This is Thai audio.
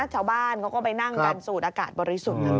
ชาวบ้านเขาก็ไปนั่งกันสูดอากาศบริสุทธิ์